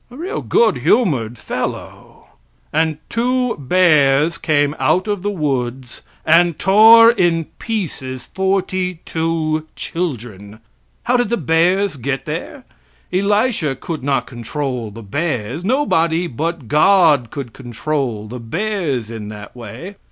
A real good humored old fellow! And two bears came out of the woods and tore in pieces forty two children! How did the bears get there? Elisha could not control the bears. Nobody but God could control the bears in that way.